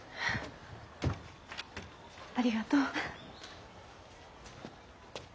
ありがとう。